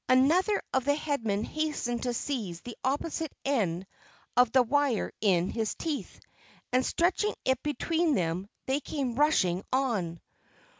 Another of the Headmen hastened to seize the opposite end of the wire in his teeth and, stretching it between them, they came rushing on.